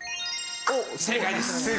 正解です。